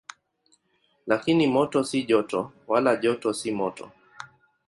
Lakini moto si joto, wala joto si moto.